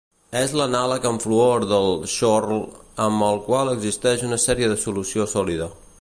És l'anàleg amb fluor del schorl, amb el qual existeix una sèrie de solució sòlida.